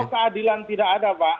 keadilan tidak ada pak